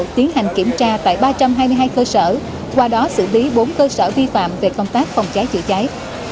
tiến hành kiểm tra tại ba trăm hai mươi hai cơ sở qua đó xử lý bốn cơ sở vi phạm về công tác phòng cháy chữa cháy